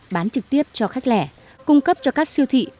bán trực tiếp cho khách lẻ cung cấp cho các siêu thị